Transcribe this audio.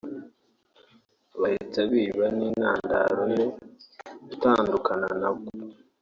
bihita biba n’intandaro yo gutandukana kwabo